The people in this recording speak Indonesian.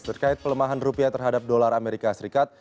terkait pelemahan rupiah terhadap dolar amerika serikat